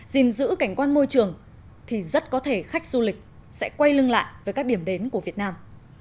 gìn giữ cảnh quan môi trường thì rất có thể khách du lịch sẽ quay lưng lại với các điểm đến của việt nam